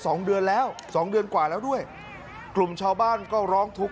สองเดือนแล้วสองเดือนกว่าแล้วด้วยกลุ่มชาวบ้านก็ร้องทุกข์